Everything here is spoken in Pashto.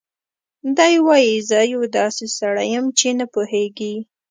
دی وايي: "زه یو داسې سړی یم چې نه پوهېږي